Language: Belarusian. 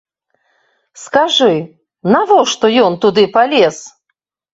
Скажы, навошта ён туды палез?